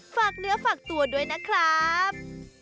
ฝากเนื้อฝากตัวด้วยนะครับ